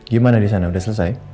gimana di sana sudah selesai